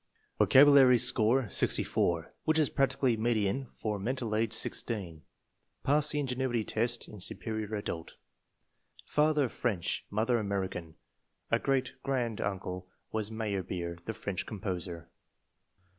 Vocabulary score 64, which is practically median for mental age 16. Passed the ingenuity test in Superior Adult. Father French, mother American. A great grand uncle was Meyerbeer, the French composer.